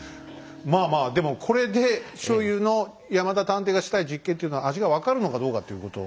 まあまあでもこれでしょうゆの山田探偵がしたい実験というのは味が分かるのかどうかっていうこと。